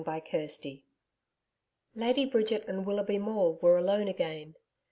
CHAPTER 16 Lady Bridget and Willoughby Maule were alone again.